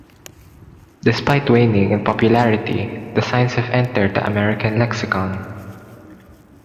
Despite waning in popularity, the signs have entered the American lexicon.